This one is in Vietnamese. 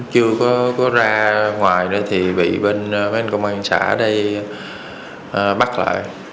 chưa có ra ngoài thì bị bên công an xã ở đây bắt lại